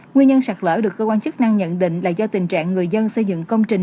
nguyên nhân sạt lỡ được cơ quan chức năng nhận định là do tình trạng người dân xây dựng công trình